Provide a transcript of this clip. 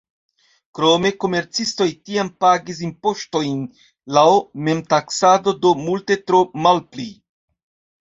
Krome komercistoj tiam pagis impoŝtojn laŭ memtaksado, do multe tro malpli.